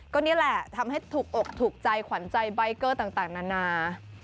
ก็นี่แหละทำให้ถูกอกถูกใจขวัญใจใบเกอร์ต่างนานา